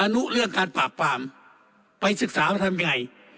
นุเรื่องการปราบปรามไปศึกษามาทำยังไง